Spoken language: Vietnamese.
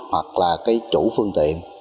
hoặc là chủ phương tiện